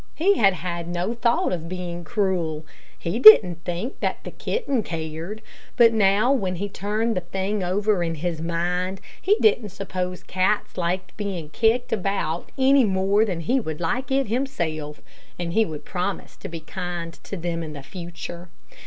He had had no thought of being cruel. He didn't think that the kitten cared; but now when he turned the thing over in his mind, he didn't suppose cats liked being kicked about any more than he would like it himself, and he would promise to be kind to them in future.